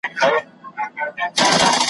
مخ راڅرگـــند کړه چې دیــدار وکړم بلا د واخلم